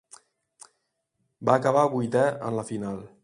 Va acabar vuitè en la final.